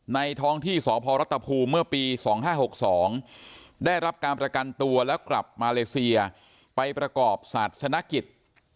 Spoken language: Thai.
ท้องที่สพรัฐภูมิเมื่อปี๒๕๖๒ได้รับการประกันตัวแล้วกลับมาเลเซียไปประกอบศาสนกิจ